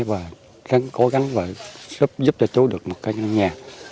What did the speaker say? và cố gắng giúp cho chú được một căn nhà